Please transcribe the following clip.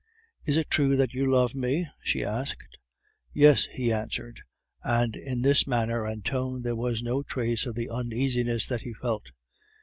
"Is it true that you love me?" she asked. "Yes," he answered, and in his manner and tone there was no trace of the uneasiness that he felt.